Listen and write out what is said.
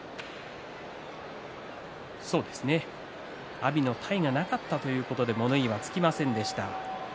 阿炎の体がなかったということで物言いはつきませんでした。